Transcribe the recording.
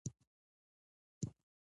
نن همدا نظریه د حکومت ساه ګڼل کېږي.